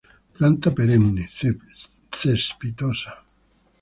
Planta perenne, cespitosa.